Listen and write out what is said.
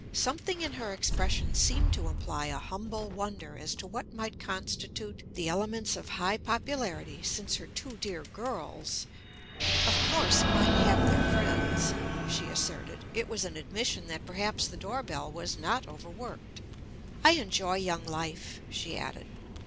Something in her expression seemed to imply a humble wonder as to what might constitute the elements of high popularity, since her two dear girls "Of course, mine have their friends," she asserted; it was an admission that perhaps the door bell was not overworked. "I enjoy young life," she added.